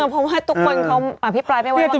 ผมว่าทุกคนเค้าพี่ปลาตร์้ไม่ว่ากลังใจ